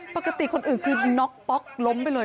ปกติคนอื่นคือน็อกป๊อกล้มไปเลย